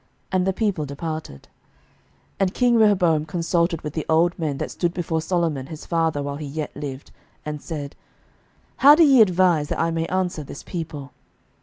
And the people departed. 11:012:006 And king Rehoboam consulted with the old men, that stood before Solomon his father while he yet lived, and said, How do ye advise that I may answer this people?